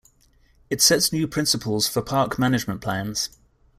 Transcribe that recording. It sets new principles for park management plans.